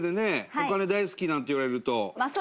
「お金大好き」なんて言われると。